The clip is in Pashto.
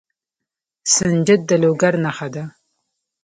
سنجد د لوګر نښه ده.